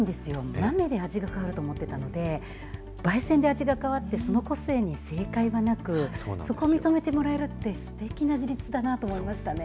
豆で味が変わると思ってたので、ばい煎で味が変わって、その個性に正解はなく、そこを認めてもらえるって、すてきな自立だなと思いましたね。